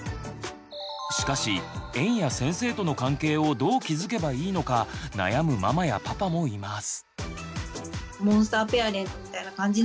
しかし園や先生との関係をどう築けばいいのか悩むママやパパもいます。